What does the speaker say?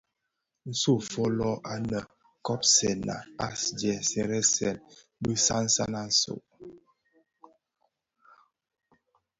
Nso folō anèn, kobsèna a dheresèn bi sansan a tsok.